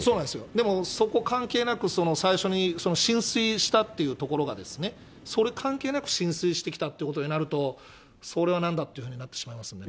でもそこ、関係なく、最初に浸水したっていうところが、それ関係なく浸水してきたということになると、それはなんだっていうふうになってしまいますからね。